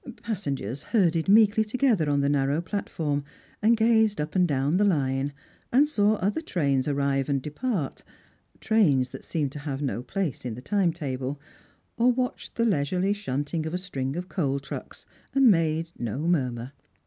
Passengers herded meekly together on the narrow platform and gazed up and down the line, and saw other trains arrive and depart — trains that seemed to have no place in the time table — or watched the leisurely shunting of a string of coal trucks, and made no murmur.